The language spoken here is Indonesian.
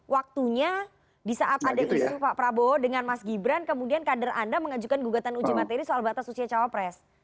waktunya di saat ada isu pak prabowo dengan mas gibran kemudian kader anda mengajukan gugatan uji materi soal batas usia cawapres